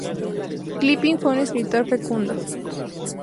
Kipling fue un escritor fecundo.